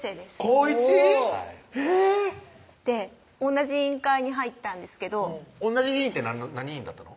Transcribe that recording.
同じ委員会に入ったんですけど同じ委員って何委員だったの？